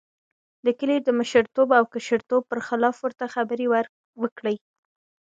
د کلي د مشرتوب او کشرتوب پر خلاف ورته خبرې وکړې.